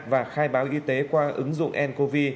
và khai báo y tế qua ứng dụng ncov